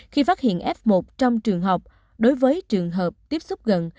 khi phát hiện f một trong trường học đối với trường hợp tiếp xúc gần